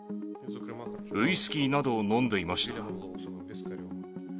ウイスキーなどを飲んでいました。